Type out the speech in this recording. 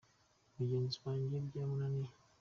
Mugenzi wanjye byamunaniye.